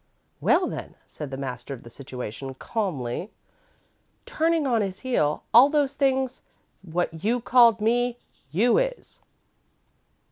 'Well then,' said the master of the situation, calmly, turning on his heel, 'all those things what you called me, you is.'"